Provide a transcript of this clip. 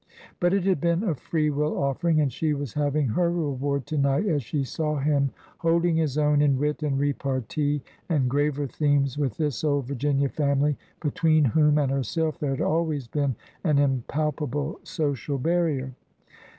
But it had been a free will offering. And she was hav ing her reward to night as she saw him holding his own in wit and repartee and graver themes with this old Vir ginia family, between whom and herself there had always been an impalpable social barrier.